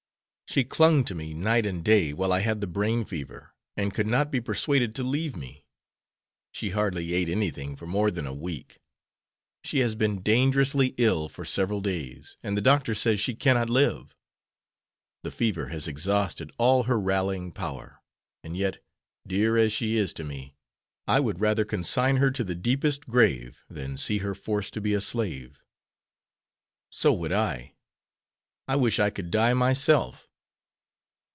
She clung to me night and day while I had the brain fever, and could not be persuaded to leave me. She hardly ate anything for more than a week. She has been dangerously ill for several days, and the doctor says she cannot live. The fever has exhausted all her rallying power, and yet, dear as she is to me, I would rather consign her to the deepest grave than see her forced to be a slave." "So would I. I wish I could die myself."